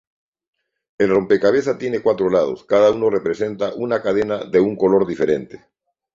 El rompecabezas tiene cuatro lados, cada uno representa una cadena de un color diferente.